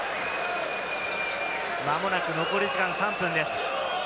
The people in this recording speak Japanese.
間もなく残り時間３分です。